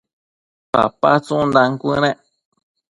papa tsundan cuënec